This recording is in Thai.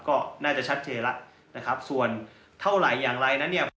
ก็น่าจะชัดเจนแล้วนะครับส่วนเท่าไหร่อย่างไรนั้นเนี่ย